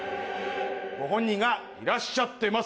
ご本人がいらっしゃってます